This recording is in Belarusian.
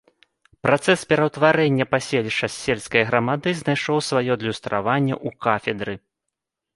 Працэс пераўтварэння паселішча з сельскае грамады знайшоў сваё адлюстраванне ў кафедры.